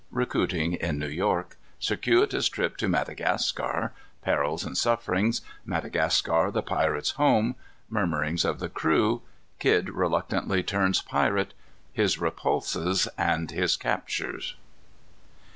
Recruiting in New York. Circuitous Trip to Madagascar. Perils and Sufferings. Madagascar the Pirates' Home. Murmurings of the Crew. Kidd reluctantly turns Pirate. His Repulses, and his Captures.